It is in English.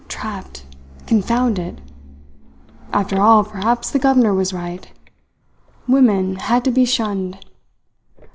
Trapped! Confound it! After all, perhaps the governor was right. Women had to be shunned.